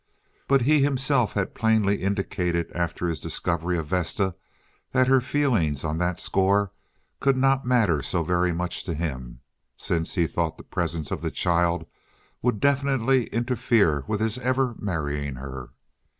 But he himself had plainly indicated after his discovery of Vesta that her feelings on that score could not matter so very much to him, since he thought the presence of the child would definitely interfere with his ever marrying her.